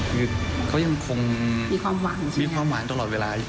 คือเขายังคงมีความหวานตลอดเวลา